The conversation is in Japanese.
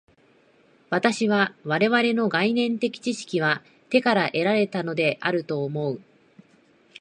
私は我々の概念的知識は手から得られたのであると思う。